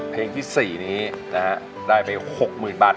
เพลงที่๔นี้ได้ไป๖๐๐๐๐บาท